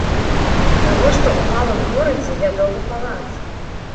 Навошта ў малым горадзе лядовы палац?